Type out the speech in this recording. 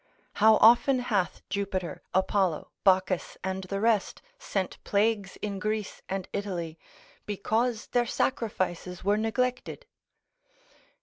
How often hath Jupiter, Apollo, Bacchus, and the rest, sent plagues in Greece and Italy, because their sacrifices were neglected?